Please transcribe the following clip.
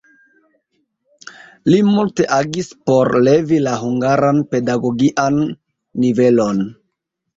Li multe agis por levi la hungaran pedagogian nivelon.